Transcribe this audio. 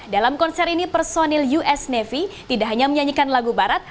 dalam konser ini personil us navy tidak hanya menyanyikan lagu barat